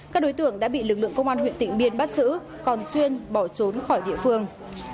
các đối tượng đã bị lực lượng công an huyện tịnh biên bắt giữ còn xuyên bỏ trốn khỏi địa phương